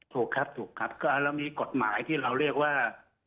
ถูกครับแล้วมีกฎหมายที่เราเรียกว่า